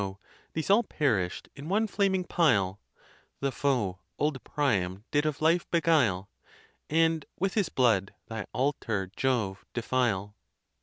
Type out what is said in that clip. these all perish'd in one flaming pile ; The foe old Priam did of life beguile, And with his blood, thy altar, Jove, defile.